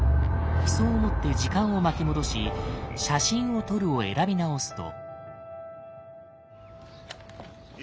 そう思って時間を巻き戻し「写真を撮る」を選び直すと。